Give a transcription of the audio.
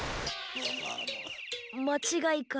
まちがいか。